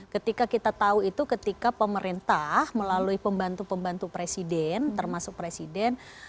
ketika kita tahu itu ketika pemerintah melalui pembantu pembantu presiden termasuk presiden